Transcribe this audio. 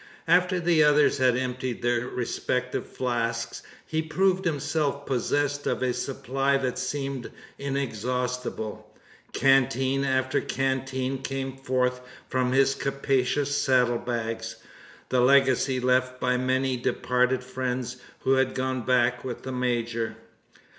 After the others had emptied their respective flasks, he proved himself possessed of a supply that seemed inexhaustible. Canteen after canteen came forth, from his capacious saddle bags the legacy left by many departed friends, who had gone back with the major.